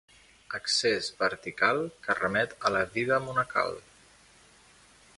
Accés vertical que remet a la vida monacal.